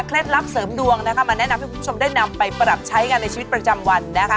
เกล็ดลับเสริมดวงมาแนะนำให้ทุกคนได้นำไปปรับใช้กันในชีวิตประจำวัน